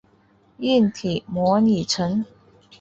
硬体模拟层。